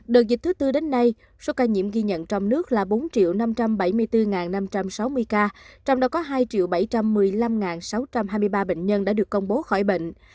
đợt dịch thứ tư đến nay số ca nhiễm ghi nhận trong nước là bốn năm trăm bảy mươi bốn năm trăm sáu mươi ca trong đó có hai bảy trăm một mươi năm sáu trăm hai mươi ba bệnh nhân đã được công bố khỏi bệnh